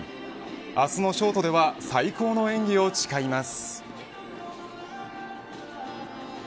明日のショートでは最高の演技を誓います。